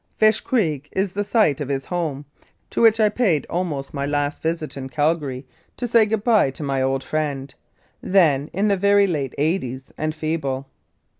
Fish Creek is the site of 'his Home, to which I paid almost my last visit in Calgary, to say good bye to my old friend, then in the very late eighties, and feeble.